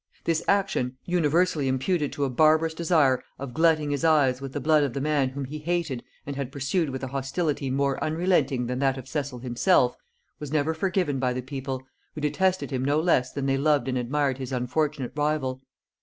This action, universally imputed to a barbarous desire of glutting his eyes with the blood of the man whom he hated and had pursued with a hostility more unrelenting than that of Cecil himself, was never forgiven by the people, who detested him no less than they loved and admired his unfortunate rival.